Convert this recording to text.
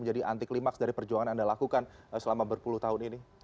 menjadi anti klimaks dari perjuangan yang anda lakukan selama berpuluh tahun ini